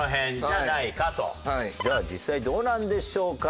じゃあ実際どうなんでしょうか？